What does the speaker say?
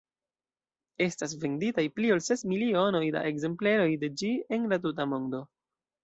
Estas venditaj pli ol ses milionoj da ekzempleroj de ĝi en la tuta mondo.